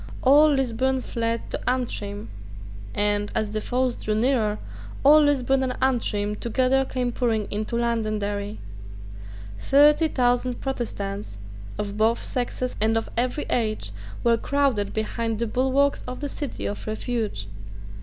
All Lisburn fled to Antrim; and, as the foes drew nearer, all Lisburn and Antrim together came pouring into Londonderry. Thirty thousand Protestants, of both sexes and of every age, were crowded behind the bulwarks of the City of Refuge.